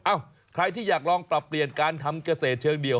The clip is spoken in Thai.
ใครที่อยากลองปรับเปลี่ยนการทำเกษตรเชิงเดียว